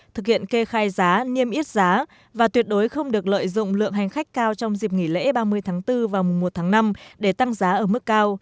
thực hiện kê khai giá niêm yết giá và tuyệt đối không được lợi dụng lượng hành khách cao trong dịp nghỉ lễ ba mươi tháng bốn và mùa một tháng năm để tăng giá ở mức cao